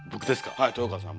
はい豊川さん